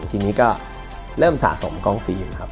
ทีนี้ก็เริ่มสะสมกองฟิล์มครับ